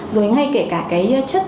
rồi ngay kể cả cái chất